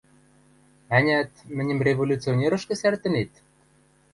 Ӓнят, мӹньӹм революционерӹшкӹ сӓртӹнет?